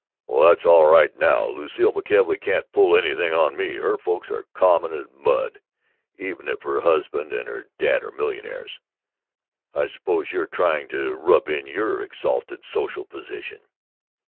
'" "Well, that's all right now! Lucile McKelvey can't pull anything on me! Her folks are common as mud, even if her husband and her dad are millionaires! I suppose you're trying to rub in your exalted social position!